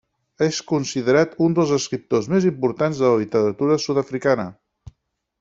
És considerat un dels escriptors més importants de la literatura sud-africana.